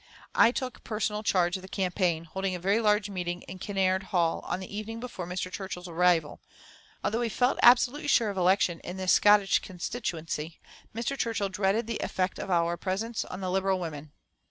I took personal charge of the campaign, holding a very large meeting in Kinnaird Hall on the evening before Mr. Churchill's arrival. Although he felt absolutely sure of election in this Scottish constituency, Mr. Churchill dreaded the effect of our presence on the Liberal women.